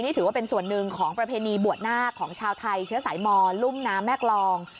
ถือว่าเป็นส่วนหนึ่งของประเพณีบวชนาคของชาวไทยเชื้อสายมอนรุ่มน้ำแม่กรอง